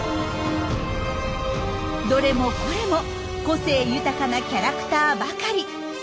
どれもこれも個性豊かなキャラクターばかり。